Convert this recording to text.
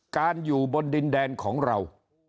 การอยู่บนดินแดนของเรา